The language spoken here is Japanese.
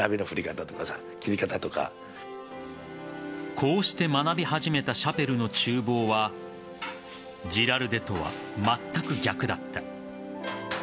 こうして学び始めたシャペルの厨房はジラルデとはまったく逆だった。